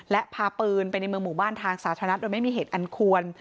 และพาปืนไปในเมืองหมู่บ้านทางสาธารณะโดยไม่มีเหตุอันควร